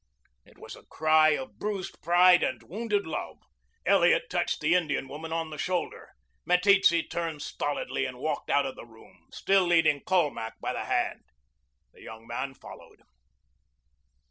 It was a cry of bruised pride and wounded love. Elliot touched the Indian woman on the shoulder. Meteetse turned stolidly and walked out of the room, still leading Colmac by the hand. The young man followed.